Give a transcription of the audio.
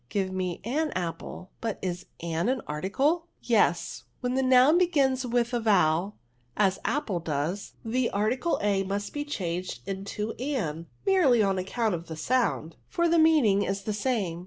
Give me an apple ; but is an an article ?^' Yes ; when the noun begins with a vowel, as apple does, the article a must be changed into an, merely on account of the sound; for the meaning is the same.